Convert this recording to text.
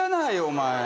お前。